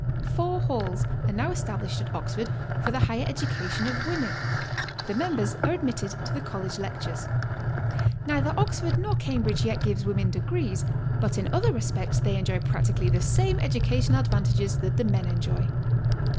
Four halls are now established at Oxford for the higher education of women; the members are admitted to the College lectures. Neither Oxford nor Cambridge yet gives women degrees, but in other respects they enjoy practically the same educational advantages that the men enjoy.